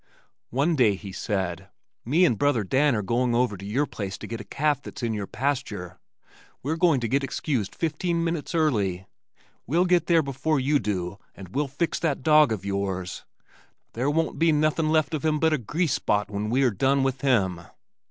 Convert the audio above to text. One day he said, "Me and brother Dan are going over to your place to get a calf that's in your pasture. We're going to get excused fifteen minutes early. We'll get there before you do and we'll fix that dog of yours! There won't be nothin' left of him but a grease spot when we are done with him."